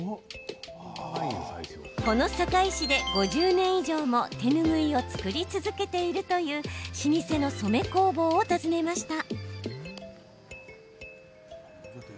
この堺市で５０年以上も手ぬぐいを作り続けているという老舗の染め工房を訪ねました。